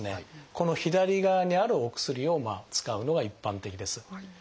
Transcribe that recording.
この左側にあるお薬を使うのが一般的です。